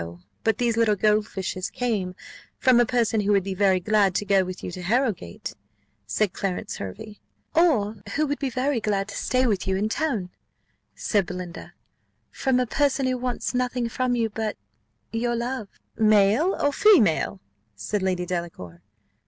But these little gold fishes came from a person who would be very glad to go with you to Harrowgate!" said Clarence Hervey. "Or who would be very glad to stay with you in town," said Belinda: "from a person who wants nothing from you but your love." "Male or female?" said Lady Delacour.